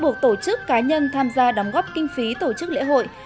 buộc tổ chức cá nhân tham gia đóng góp kinh phí tổ chức lễ hội